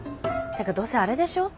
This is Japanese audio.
どうせあれでしょ？